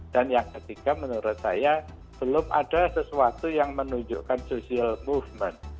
dan yang ketiga menurut saya belum ada sesuatu yang menunjukkan social movement